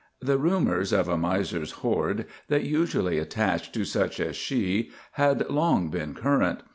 The rumours of a miser's hoard that usually attached to such as she had long been current.